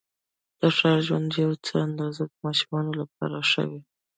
د ښار ژوند یوه څه اندازه د ماشومانو لپاره ښه وې.